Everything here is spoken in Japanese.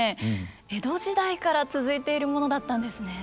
江戸時代から続いているものだったんですね。